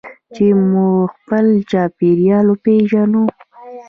چې موږ خپل چاپیریال وپیژنو.